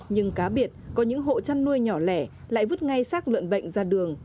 nhưng cá biệt có những hộ chăn nuôi nhỏ lẻ lại vứt ngay sát lợn bệnh ra đường